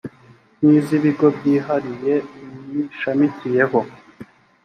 n iz ibigo byihariye biyishamikiyeho